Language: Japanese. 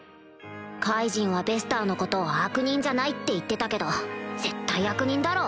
カイジンはベスターのこと悪人じゃないって言ってたけど絶対悪人だろ！